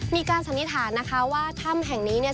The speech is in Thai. สันนิษฐานนะคะว่าถ้ำแห่งนี้เนี่ย